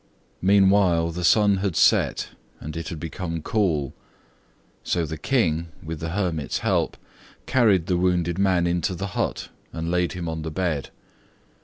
Meanwhile the sun had set, and it had become cool. So the King, with the hermit's help, carried the wounded man into the hut and laid him on the bed.